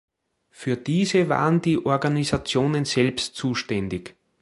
Für diese waren die Organisationen selbst zuständig.